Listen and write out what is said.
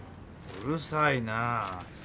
うるさいなぁ。